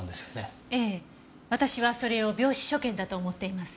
ええ私はそれを病死所見だと思っています。